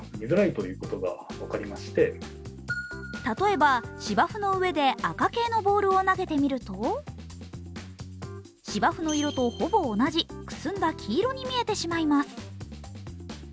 例えば芝生の上で赤系のボールを投げてみると芝生の色とほぼ同じ、くすんだ黄色に見えてしまいます。